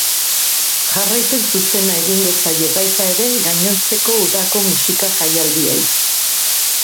Jarraipen zuzena egingo zaie baita ere gainontzeko udako musika jaialdiei.